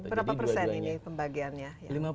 berapa persen ini pembagiannya